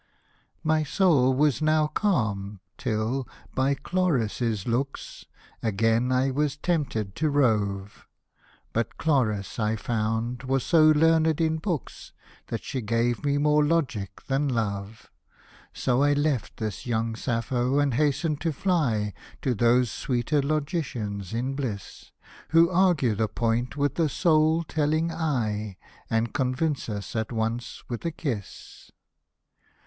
My soul was now calm, till, by Cloris's looks, Again I was tempted to rove ; But Cloris, I found, was so learned in books That she gave me more logic than love. So I left this young Sappho, and hastened to fly To those sweeter logicians in bliss. Who argue the point with a soul telling eye, And convince us at once with a kiss.